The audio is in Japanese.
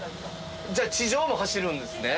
じゃあ地上も走るんですね。